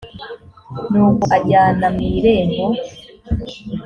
nuko anjyana mu irembo